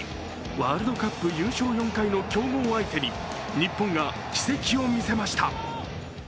ワールドカップ優勝４回の強豪相手に日本が奇跡を見せました。